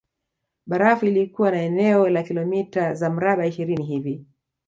Barafu ilikuwa na eneo la kilomita za mraba ishirini hivi